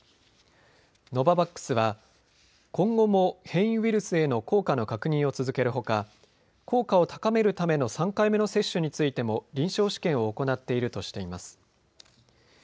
ノババックスは今後も変異ウイルスへの効果の確認を続けるほか効果を高めるための３回目の接種についても臨床試験を行っているとしています。